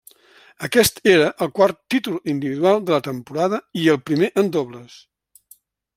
Aquest era el quart títol individual de la temporada i el primer en dobles.